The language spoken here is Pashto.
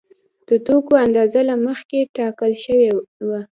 د توکو اندازه له مخکې ټاکل شوې وه